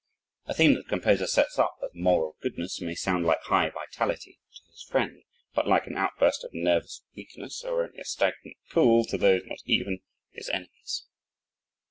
A theme that the composer sets up as "moral goodness" may sound like "high vitality," to his friend and but like an outburst of "nervous weakness" or only a "stagnant pool" to those not even his enemies.